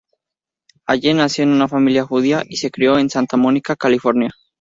Allen nació en una familia judía y se crió en Santa Mónica, California.